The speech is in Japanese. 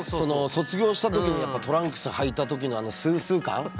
卒業した時にトランクスはいた時のあのスースー感。